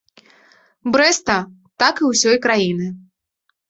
Брэста, так і ўсёй краіны.